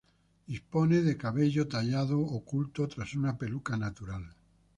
Dispone de cabello tallado, oculto tras una peluca natural.